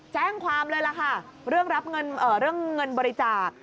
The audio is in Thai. แจ้งความเลยล่ะค่ะเรื่องรับเงินเรื่องเงินบริจาค